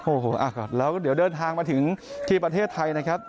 โอ้โหแล้วเดี๋ยวเดินทางมาถึงที่ประเทศไทยนะครับ